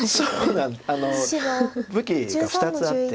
武器が２つあって。